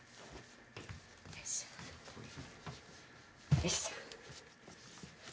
よいしょ。